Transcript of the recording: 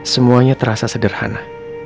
semuanya terasa sederhana